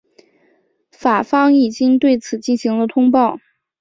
法方已经对此进行了通报。